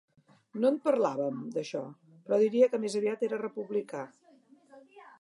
No en parlàvem, d'això, però diria que més aviat era republicà.